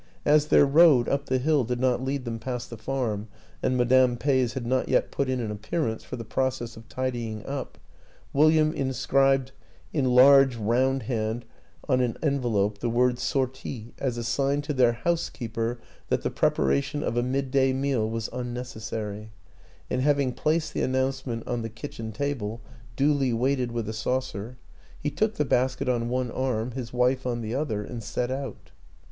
As their road up the hill did not lead them past the farm, and Madame Peys had not yet put in an appearance for the process of tidying up, William inscribed in large round hand on an envelope the word " Sorti," as a sign to their housekeeper that the preparation of a midday meal was unnecessary; and having placed the announcement on the kitchen table, duly weighted with a saucer, he took the basket on one arm, his wife on the other, and set out.